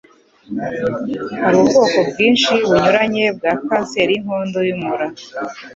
Hari ubwoko bwinshi bunyuranye bwa kanseri y'inkondo y'umura